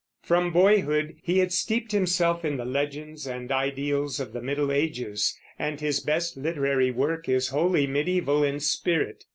From boyhood he had steeped himself in the legends and ideals of the Middle Ages, and his best literary work is wholly mediæval in spirit.